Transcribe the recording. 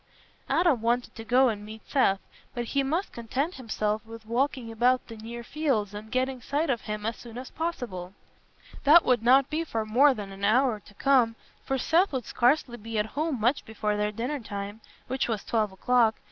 Adam wanted to go and meet Seth, but he must content himself with walking about the near fields and getting sight of him as soon as possible. That would not be for more than an hour to come, for Seth would scarcely be at home much before their dinner time, which was twelve o'clock.